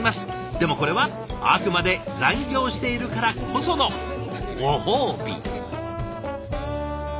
でもこれはあくまで残業しているからこそのご褒美。